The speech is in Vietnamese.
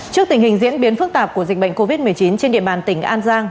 trước tình hình diễn biến phức tạp của dịch bệnh covid một mươi chín trên địa bàn tỉnh an giang